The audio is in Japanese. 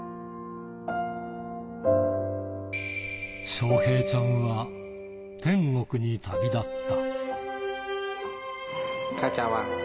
翔平ちゃんは、天国に旅立った。